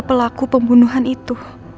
dia pelaku pembunuhan itu